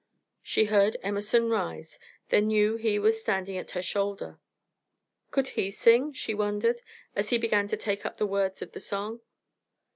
She heard Emerson rise, then knew he was standing at her shoulder. Could he sing, she wondered, as he began to take up the words of the song?